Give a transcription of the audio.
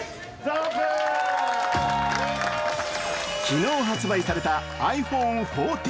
昨日発売されたｉＰｈｏｎｅ１４。